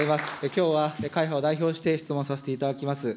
きょうは会派を代表して質問させていただきます。